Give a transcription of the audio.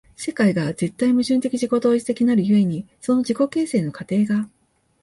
世界が絶対矛盾的自己同一的なる故に、その自己形成の過程が